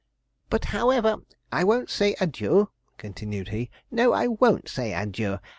'But, however, I won't say adieu,' continued he; 'no, I won't say adieu!